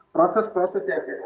proses proses yang kita